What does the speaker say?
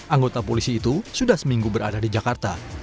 anggota polisi itu sudah seminggu berada di jakarta